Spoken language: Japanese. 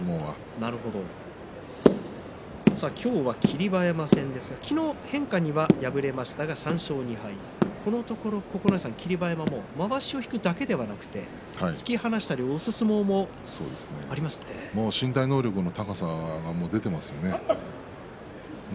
今日は霧馬山戦です昨日変化に敗れましたが３勝２敗このところ霧馬山はまわしを引くだけではなくて突き放したり、押す相撲も身体能力の高さが出ていますよね。